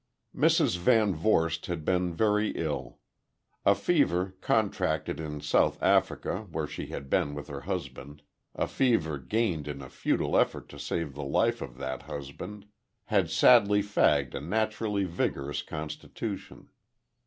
Mrs. VanVorst had been very ill. A fever, contracted in South Africa where she had been with her husband a fever gained in a futile effort to save the life of that husband, had sadly fagged a naturally vigorous constitution.